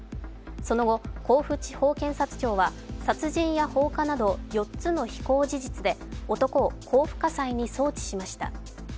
その後、甲府地方検察庁は殺人や放火など、４つの非行事実で男を甲府家裁に送致しました。